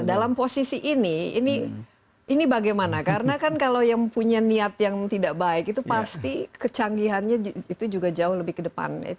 dan dalam posisi ini ini bagaimana karena kan kalau yang punya niat yang tidak baik itu pasti kecanggihannya itu juga jauh lebih kedepannya